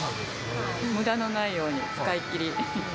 むだのないように使い切り。